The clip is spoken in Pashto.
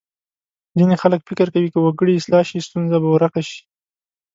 ځینې خلک فکر کوي که وګړي اصلاح شي ستونزه به ورکه شي.